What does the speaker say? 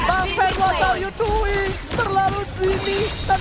bang pen what are you doing